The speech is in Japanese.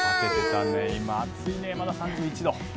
今、暑いね、まだ３１度。